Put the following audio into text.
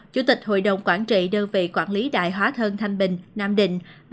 chủ tịch hội đồng quản trị đơn vị quản lý đại hóa thân thanh bình nam định